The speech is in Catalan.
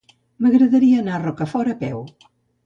M'agradaria anar a Rocafort a peu.